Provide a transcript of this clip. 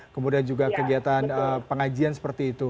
kemudian juga kegiatan pengajian seperti itu